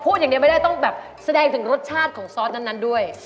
อย่างเดียวไม่ได้ต้องแบบแสดงถึงรสชาติของซอสนั้นด้วย